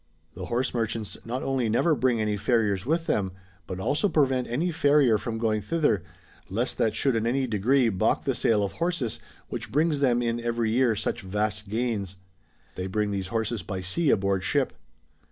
The horse merchants not only never bring any farriers with them, but also prevent any farrier from going thither, lest that should in any degree baulk the sale of horses, which brings them in every year such vast gains. They bring these horses by sea aboard ship."'